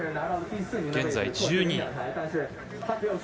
現在１２位。